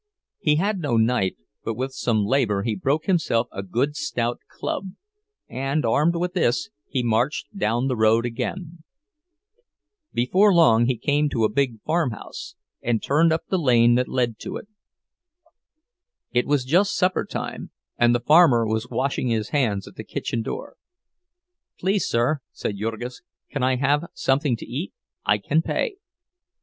He had no knife, but with some labor he broke himself a good stout club, and, armed with this, he marched down the road again. Before long he came to a big farmhouse, and turned up the lane that led to it. It was just supper time, and the farmer was washing his hands at the kitchen door. "Please, sir," said Jurgis, "can I have something to eat? I can pay."